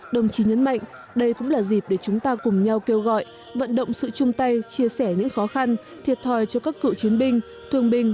đồng chí nhấn mạnh đây cũng là dịp để chúng ta cùng nhau kêu gọi vận động sự chung tay chia sẻ những khó khăn thiệt thòi cho các cựu chiến binh thương binh